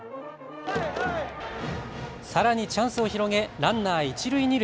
さらにチャンスを広げランナー一塁二塁。